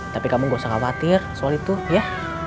tapi kamu gak usah khawatir soal itu ya